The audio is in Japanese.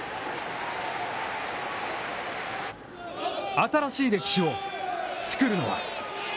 新しい歴史をつくるのは。